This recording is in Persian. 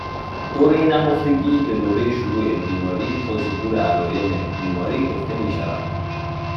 دوره نهفتگی به دوره شروع بیماری تا ظهور علایم بیماری گفته میشود